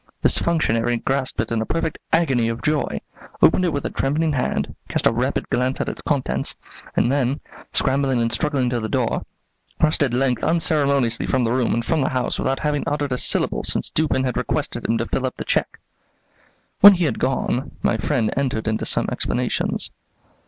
This functionary grasped it in a perfect agony of joy, opened it with a trembling hand, cast a rapid glance at its contents, and then, scrambling and struggling to the door, rushed at length unceremoniously from the room and from the house without having uttered a syllable since Dupin had requested him to fill up the check. When he had gone, my friend entered into some explanations.